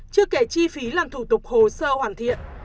chưa kể chi phí làm thủ tục hồ sơ hoàn thiện